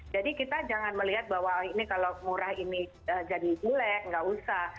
jadi kita jangan melihat bahwa ini kalau murah ini jadi gilek nggak usah